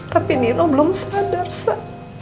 tapi nino belum sadar sa